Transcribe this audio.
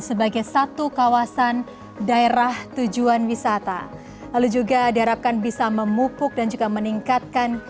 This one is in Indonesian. sebagai satu kawasan daerah tujuan wisata lalu juga diharapkan bisa memupuk dan juga meningkatkan